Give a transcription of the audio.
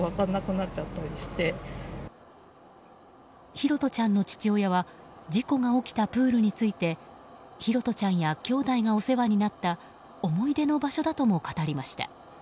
拓杜ちゃんの父親は事故が起きたプールについて拓杜ちゃんやきょうだいがお世話になった思い出の場所だとも語りました。